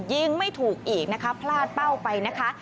ยิงไม่ถูกอีกนะคะพลาดเป้าไปนะคะ